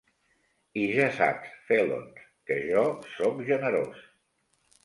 I ja saps, Felons, que jo sóc generós.